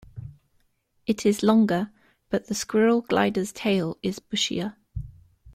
It is longer but the squirrel gliders tail is bushier.